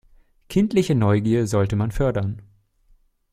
Kindliche Neugier sollte man fördern.